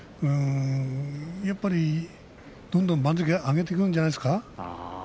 やっぱりどんどん番付を上げていくんじゃないですか。